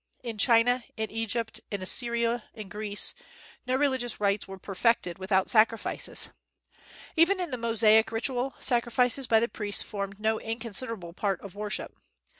In China, in Egypt, in Assyria, in Greece, no religious rites were perfected without sacrifices. Even in the Mosaic ritual, sacrifices by the priests formed no inconsiderable part of worship.